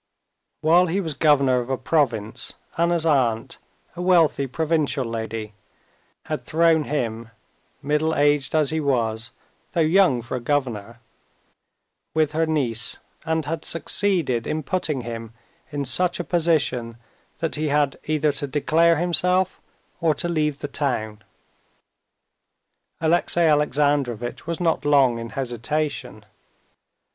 While he was governor of a province, Anna's aunt, a wealthy provincial lady, had thrown him—middle aged as he was, though young for a governor—with her niece, and had succeeded in putting him in such a position that he had either to declare himself or to leave the town. Alexey Alexandrovitch was not long in hesitation.